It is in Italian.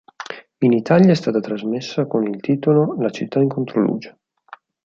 In Italia è stata trasmessa con il titolo "La città in controluce".